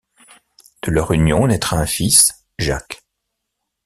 De leur union naîtra un fils, Jacques.